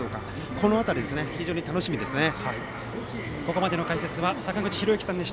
この辺り、楽しみですね。